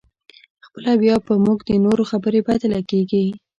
خپله بیا په موږ د نورو خبرې بدې لګېږي.